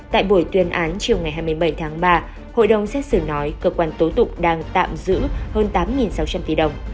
tại buổi tuyên án chiều ngày hai mươi bảy tháng ba hội đồng xét xử nói cơ quan tố tụng đang tạm giữ hơn tám sáu trăm linh tỷ đồng